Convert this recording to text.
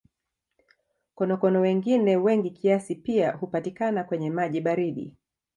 Konokono wengine wengi kiasi pia hupatikana kwenye maji baridi.